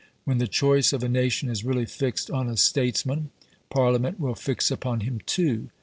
When the choice of a nation is really fixed on a statesman, Parliament will fix upon him too.